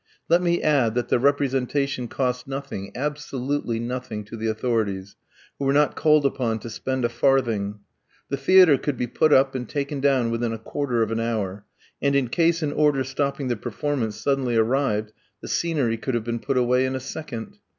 Let me add that the representation cost nothing, absolutely nothing, to the authorities, who were not called upon to spend a farthing. The theatre could be put up and taken down within a quarter of an hour; and, in case an order stopping the performance suddenly arrived, the scenery could have been put away in a second.